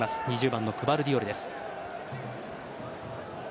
２０番のグヴァルディオルです。